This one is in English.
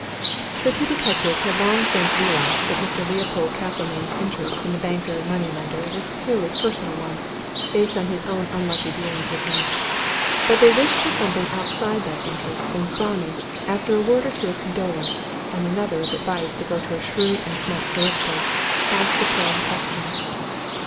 The two detectives had long since realized that Mr. Leopold Castlemayne's interest in the banker money lender was a purely personal one, based on his own unlucky dealings with him. But they wished for something outside that interest, and Starmidge, after a word or two of condolence, and another of advice to go to a shrewd and smart solicitor, asked a plain question.